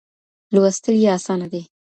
لوستل يې اسانه دي.